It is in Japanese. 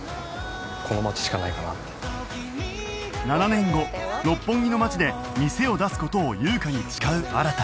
７年後六本木の街で店を出す事を優香に誓う新